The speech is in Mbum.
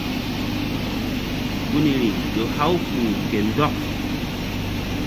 Gunri ƴo haw kpuh ke ndɔk.